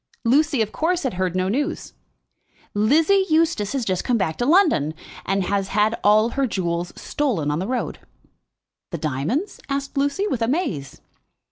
Lucy, of course, had heard no news. "Lizzie Eustace has just come back to London, and has had all her jewels stolen on the road." "The diamonds?" asked Lucy, with amaze.